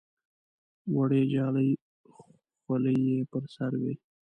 وړې جالۍ خولۍ یې پر سر وې.